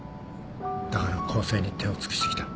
だから更生に手を尽くしてきた。